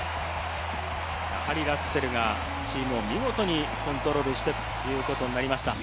やはりラッセルがチームを見事にコントロールしてということになりました。